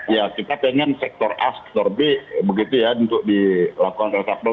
ya kita pengen sektor a sektor b begitu ya untuk dilakukan resapel